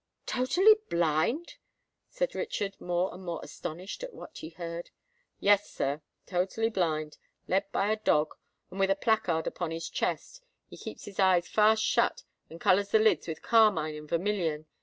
"Totally blind!" said Richard, more and more astonished at what he heard. "Yes, sir—totally blind; led by a dog, and with a placard upon his chest. He keeps his eyes fast shut, and colours the lids with carmine and vermilion.